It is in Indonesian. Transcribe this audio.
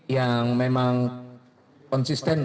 yang memang konsisten